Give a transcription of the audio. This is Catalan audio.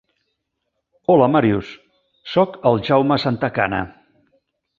Hola Màrius, sóc el Jaume Santacana.